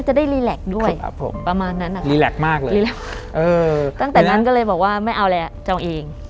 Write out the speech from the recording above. จะได้ด้วยครับผมประมาณนั้นนะคะมากเลยเออตั้งแต่นั้นก็เลยบอกว่าไม่เอาแล้วจองเอง